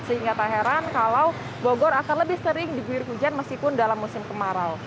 sehingga tak heran kalau bogor akan lebih sering diguyur hujan meskipun dalam musim kemarau